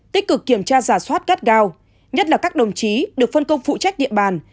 tích cực kiểm tra giả soát gắt gao nhất là các đồng chí được phân công phụ trách địa bàn